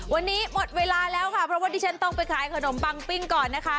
วันนี้หมดเวลาแล้วค่ะเพราะว่าดิฉันต้องไปขายขนมปังปิ้งก่อนนะคะ